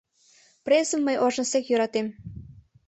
Презым мый ожнысек йӧратем.